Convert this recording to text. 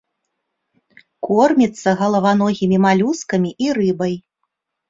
Корміцца галаваногімі малюскамі і рыбай.